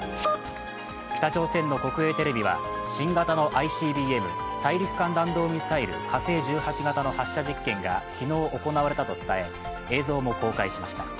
北朝鮮の国営テレビは新型のＩＣＢＭ＝大陸間弾道ミサイル火星１８型の発射実験が昨日行われたと伝え映像も公開しました。